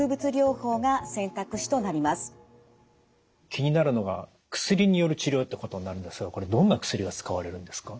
気になるのが薬による治療ってことになるんですがこれどんな薬が使われるんですか？